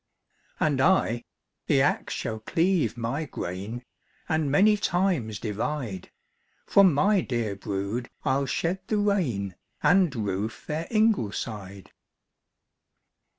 "And I the ax shall cleave my grain, And many times divide; From my dear brood I'll shed the rain, And roof their ingleside."